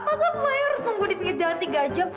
apakah maya harus nunggu di pinggir jalan tiga jam